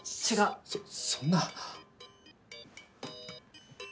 そそんな。